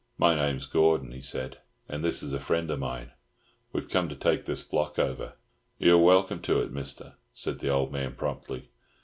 "My name's Gordon," he said, "and this is a friend of mine. We've come to take this block over." "You're welcome to it, Mister," said the old man promptly.